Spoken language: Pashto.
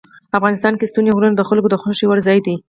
افغانستان کې ستوني غرونه د خلکو د خوښې وړ ځای دی.